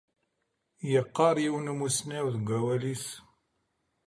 Yeqqar yiwen umusnaw deg wawal-is.